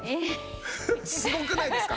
すごくないですか？